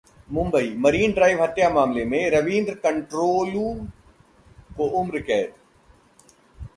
Mumbai: marine drive हत्या मामले में रवींद्र कंट्रोलू को उम्रकैद